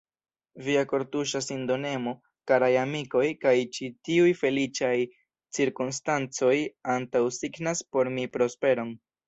Via kortuŝa sindonemo, karaj amikoj, kaj ĉi tiuj feliĉaj cirkonstancoj antaŭsignas por mi prosperon.